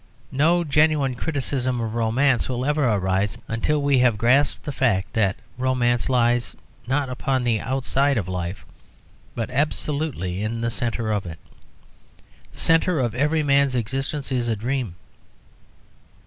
No genuine criticism of romance will ever arise until we have grasped the fact that romance lies not upon the outside of life, but absolutely in the centre of it. The centre of every man's existence is a dream.